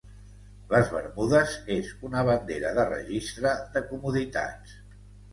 Les Bermudes es una bandera de registre de comoditats.